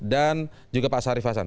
dan juga pak sarif hasan